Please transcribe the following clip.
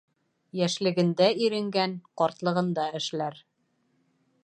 Йәшлегендә иренгән ҡартлығында эшләр.